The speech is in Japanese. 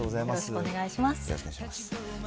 よろしくお願いします。